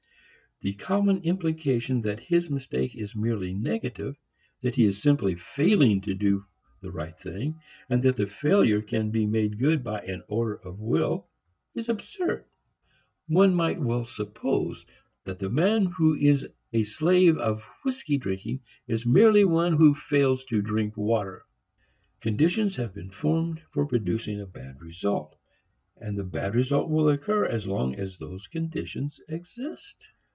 The common implication that his mistake is merely negative, that he is simply failing to do the right thing, and that the failure can be made good by an order of will is absurd. One might as well suppose that the man who is a slave of whiskey drinking is merely one who fails to drink water. Conditions have been formed for producing a bad result, and the bad result will occur as long as those conditions exist.